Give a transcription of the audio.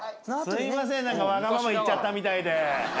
すいません何かわがまま言っちゃったみたいで。